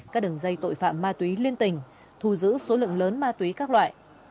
các đường dây tội phạm ma túy liên tình thu giữ số lượng lớn ma túy các loại